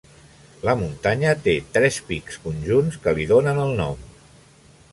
La muntanya té tres pics conjunts que li donen el nom.